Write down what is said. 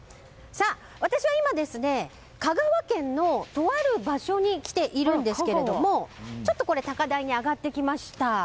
私は今、香川県の、とある場所に来ているんですけれどもこれ、高台に上がってきました。